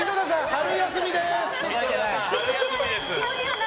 春休みです！